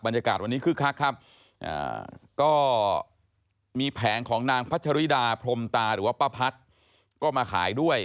บรรยากาศวันนี้คึกคักครับก็มีแผงของนางพัชริดาพรมตาหรือว่าป้าพัดก็มาขายด้วย